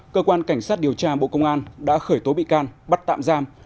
cơ quan cảnh sát điều tra bộ công an đã khởi tố bị can bắt tạm giam